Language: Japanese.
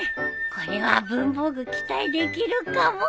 これは文房具期待できるかも。